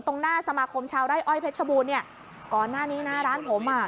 ตรงหน้าสมาคมชาวไร่อ้อยเพชรบูรณเนี่ยก่อนหน้านี้นะร้านผมอ่ะ